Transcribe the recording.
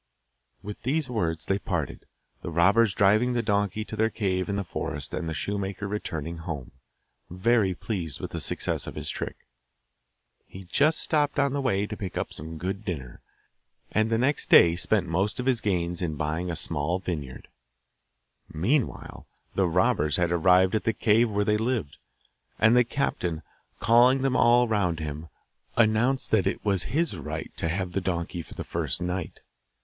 With these words they parted, the robbers driving the donkey to their cave in the forest and the shoemaker returning home, very pleased with the success of his trick. He just stopped on the way to pick up a good dinner, and the next day spent most of his gains in buying a small vineyard. Meanwhile the robbers had arrived at the cave where they lived, and the captain, calling them all round him, announced that it as his right to have the donkey for the first night.